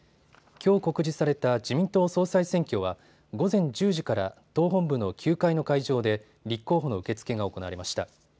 きょう告示された自民党総裁選挙は午前１０時から党本部の９階の会場で立候補の受け付けが行われました。